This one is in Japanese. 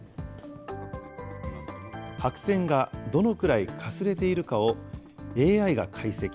白線がどのくらいかすれているかをＡＩが解析。